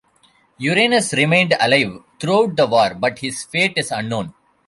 "Uranus" remained alive throughout the war, but his fate is unknown.